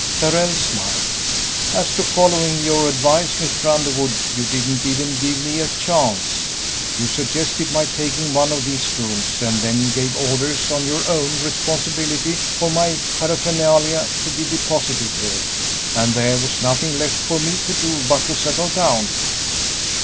Darrell smiled. "As to following your advice, Mr. Underwood, you didn't even give me a chance. You suggested my taking one of these rooms, and then gave orders on your own responsibility for my paraphernalia to be deposited here, and there was nothing left for me to do but to settle down.